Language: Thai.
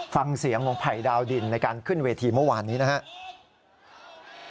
ฟังเสียงของภัยดาวดินในการขึ้นเวทีเมื่อวานนี้นะครับ